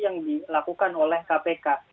yang dilakukan oleh kpk